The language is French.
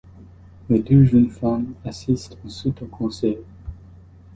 Les deux jeunes femmes assistent ensuite au concert.